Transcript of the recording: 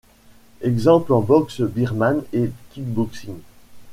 Exemples en boxe birmane et kick-boxing.